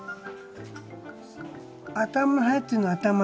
頭入ってるの頭に。